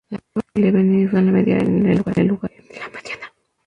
La prueba de Levene usa la media en lugar de la mediana.